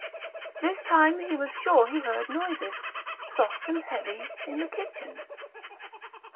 This time he was sure he heard noises, soft and heavy, in the kitchen.